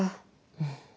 うん。